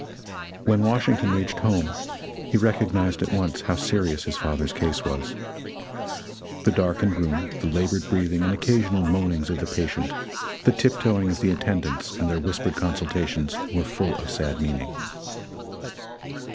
When Washington reached home, he recognized at once how serious his father's case was. The darkened room, the labored breathing and occasional moanings of the patient, the tip toeing of the attendants and their whispered consultations, were full of sad meaning.